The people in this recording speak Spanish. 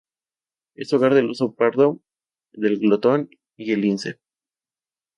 Es hogar del oso pardo, del glotón y el lince.